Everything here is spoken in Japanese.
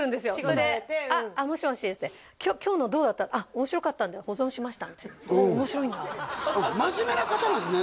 それで「あっもしもし」って「今日のどうだった？」「面白かったんで保存しました」みたいな面白いんだと思って真面目な方なんですね